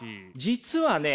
実はね